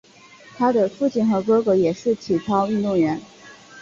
她的父亲和哥哥也都是体操运动员。